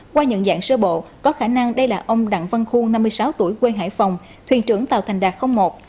qua nhận dạng sơ bộ có khả năng đây là ông đặng văn khu năm mươi sáu tuổi quê hải phòng thuyền trưởng tàu thành đạt một